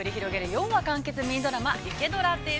４話完結ミニドラマ、「イケドラ」です。